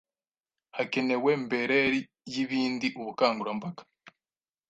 hakenewe mberer yibindi ubukangurambaga,